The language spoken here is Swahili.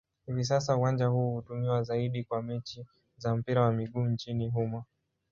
Hivi sasa uwanja huu hutumiwa zaidi kwa mechi za mpira wa miguu nchini humo.